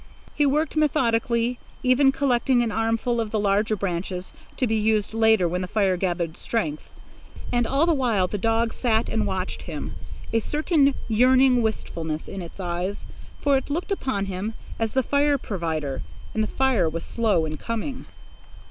He worked methodically, even collecting an armful of the larger branches to be used later when the fire gathered strength. And all the while the dog sat and watched him, a certain yearning wistfulness in its eyes, for it looked upon him as the fire provider, and the fire was slow in coming.